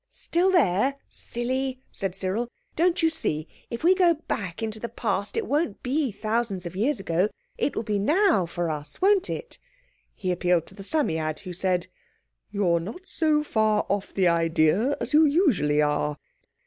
"Still there? silly!" said Cyril. "Don't you see, if we go back into the Past it won't be thousands of years ago. It will be now for us—won't it?" He appealed to the Psammead, who said— "You're not so far off the idea as you usually are!"